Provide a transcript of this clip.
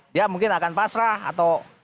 dia mungkin akan pasrah atau